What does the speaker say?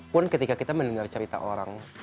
pun ketika kita mendengar cerita orang